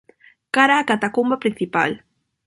cara á catacumba principal.